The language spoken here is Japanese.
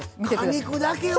あ果肉だけを！